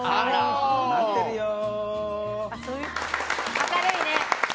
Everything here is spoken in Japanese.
明るいね！